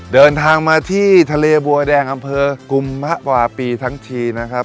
เดินทางมาที่ทะเลบัวแดงอำเภอกุมมะวาปีทั้งทีนะครับ